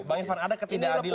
bang irfan ada ketidakadilan